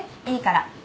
いいから。